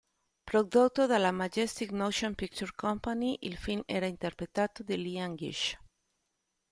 Prodotto dalla Majestic Motion Picture Company, il film era interpretato da Lillian Gish.